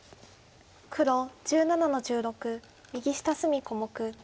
黒１７の十六右下隅小目。